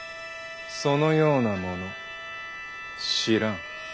そのような者知らん。